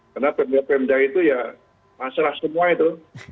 karena pemda pemda itu ya masalah semua itu